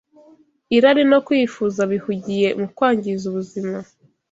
irari no kwifuza bihugiye mu kwangiza ubuzima